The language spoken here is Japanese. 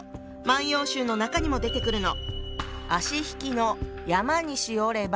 「万葉集」の中にも出てくるの。